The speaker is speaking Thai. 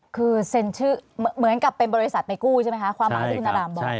คือเซ็นชื่อเหมือนกับเป็นบริษัทไปกู้ใช่ไหมคะความหมายที่คุณอารามบอก